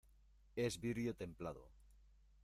es vidrio templado.